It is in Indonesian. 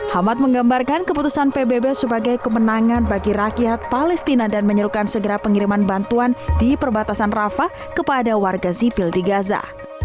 hamad menggambarkan keputusan pbb sebagai kemenangan bagi rakyat palestina dan menyerukan segera pengiriman bantuan di perbatasan rafa kepada warga sipil di gaza